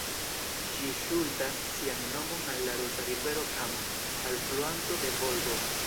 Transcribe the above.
Ĝi ŝuldas sian nomon al la rusa rivero Kama, alfluanto de Volgo.